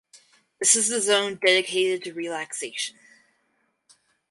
This is the zone dedicated to relaxation.